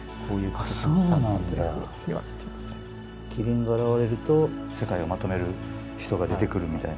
麒麟が現れると世界をまとめる人が出てくるみたいなね。